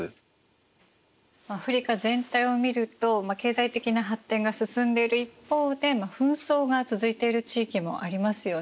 アフリカ全体を見ると経済的な発展が進んでいる一方で紛争が続いている地域もありますよね。